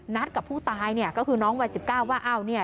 นัดกับผู้ตายเนี่ยก็คือน้องวัยสิบเก้าว่าเอ้าเนี่ย